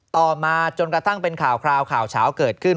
ต่อมาจนกระทั่งเป็นข่าวคราวข่าวเฉาเกิดขึ้น